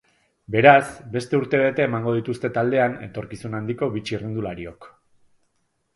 Beraz, beste urtebete emango dituzte taldean etorkizun handiko bi txirrindulariok.